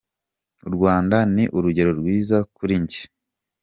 U Rwanda ni urugero rwiza kuri njye.